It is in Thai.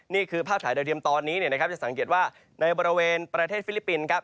นี่คือภาพถ่ายโดยเทียมตอนนี้จะสังเกตว่าในบริเวณประเทศฟิลิปปินส์ครับ